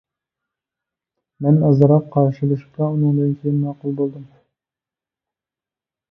مەن ئازراق قارشىلىشىپلا ئۇنىڭدىن كېيىن ماقۇل بولدۇم.